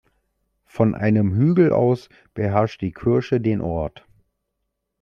Von einem Hügel aus beherrscht die Kirche den Ort.